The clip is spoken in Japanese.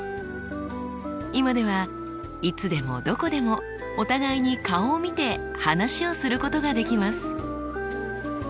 今ではいつでもどこでもお互いに顔を見て話をすることができます。